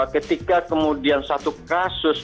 ketika kemudian satu kasus